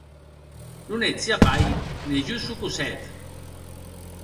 Non ètz ja pair ne jo sò Cosette!